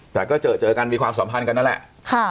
แต่ก็เจอเจอกันมีความสัมพันธ์กันนั่นแหละ